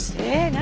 何？